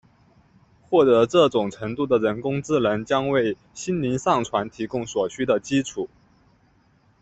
获得这种程度的人工智能将为心灵上传提供所需的基础。